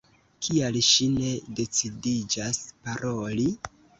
Kial ŝi ne decidiĝas paroli?